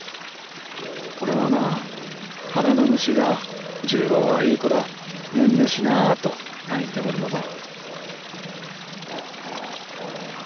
これはな腹の虫が「重郎はいい子だねんねしな」と鳴いておるのだ。